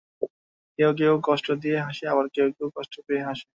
কেউ কেউ কষ্ট দিয়ে হাসে, আবার কেউ কেউ কষ্ট পেয়ে হাসে।